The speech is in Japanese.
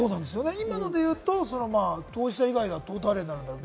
今のでいうと、当事者以外だと誰になるんだろう？